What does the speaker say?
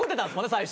最初。